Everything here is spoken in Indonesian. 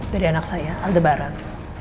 dari anak saya aldebaran